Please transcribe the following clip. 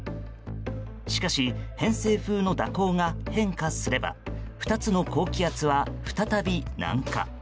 しかし、偏西風の蛇行が変化すれば２つの高気圧は再び南下。